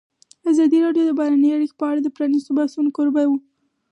ازادي راډیو د بهرنۍ اړیکې په اړه د پرانیستو بحثونو کوربه وه.